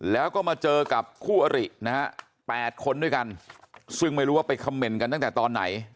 แล้วก็มาเจอกับคู่อรินะฮะ๘คนด้วยกันซึ่งไม่รู้ว่าไปคำเมนต์กันตั้งแต่ตอนไหน